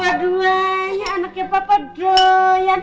dua duanya anaknya papa doyan